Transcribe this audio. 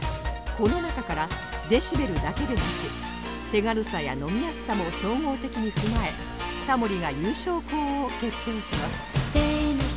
この中からデシベルだけでなく手軽さや飲みやすさも総合的に踏まえタモリが優勝校を決定します